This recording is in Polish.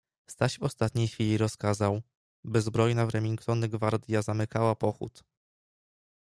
Staś w ostatniej chwili rozkazał, by zbrojna w remingtony gwardja zamykała pochód.